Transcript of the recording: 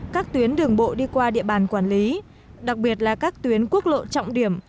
các tuyến đường bộ đi qua địa bàn quản lý đặc biệt là các tuyến quốc lộ trọng điểm